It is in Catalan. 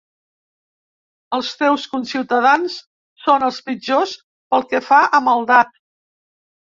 Els teus conciutadans són els pitjors pel que fa a maldat.